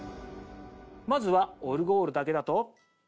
まずはオルゴールだけだと。